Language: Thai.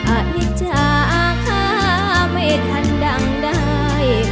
อันนี้จ้าข้าไม่ทันดังได้